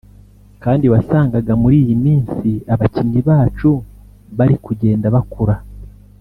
kandi wasangaga muri iyi minsi abakinnyi bacu bari kugenda bakura”